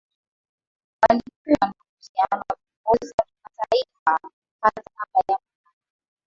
Walikuwa na uhusiano na viongozi wa kimataifa hata kabla ya Muungano